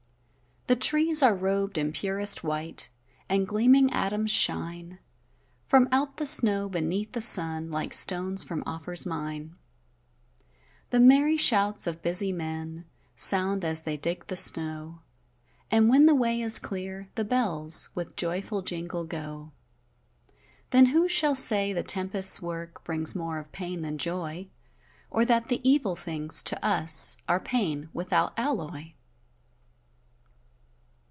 The trees are rob'd in purest white, And gleaming atoms shine From out the snow, beneath the sun, Like stones from Ophir's mine. The merry shouts of busy men Sound, as they dig the snow; And, when the way is clear, the bells With joyful jingle, go. Then who shall say the tempest's work Brings more of pain than joy; Or that the evil things, to us Are pain, without alloy?